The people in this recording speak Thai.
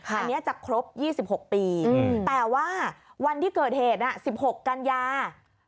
อันนี้จะครบ๒๖ปีแต่ว่าวันที่เกิดเหตุ๑๖กันยา